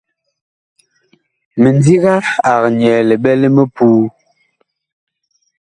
Mindiga ag nyɛɛ liɓɛ li mipuu.